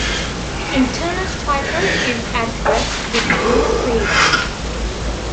The internal striker is at rest with no pre-load.